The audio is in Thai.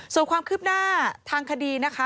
ส่วนความคืบหน้าทางคดีนะคะ